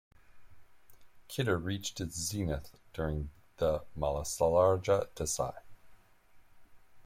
Kittur reached its zenith during the Mallasarja Desai.